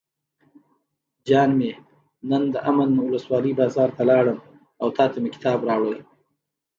جان مې نن دامن ولسوالۍ بازار ته لاړم او تاته مې کتاب راوړل.